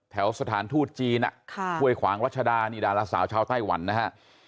แถวสถานทูตจีนค่ะพวยขวางราชดาราสาวชาวไต้หวันนะฮะ